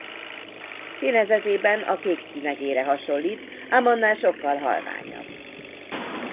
Színezetében a kék cinegére hasonlít ám annál sokkal halványabb.